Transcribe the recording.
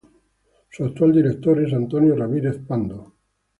Su actual Director es Antonio Ramírez Pando.